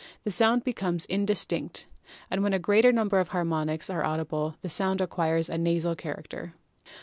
the sound becomes indis tinct; and when a greater number of harmonics are audible the sound acquires a nasal character.